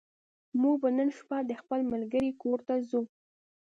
موږ به نن شپه د خپل ملګرې کور ته ځو